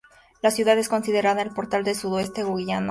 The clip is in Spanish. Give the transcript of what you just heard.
La ciudad es considerada el "Portal del Sudoeste Goiano".